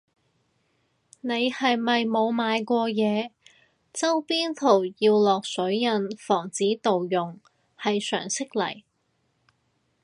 你係咪冇賣過嘢，周邊圖要落水印防止盜用係常識嚟